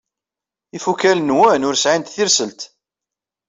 Ifukal-nwen ur sɛin tirselt.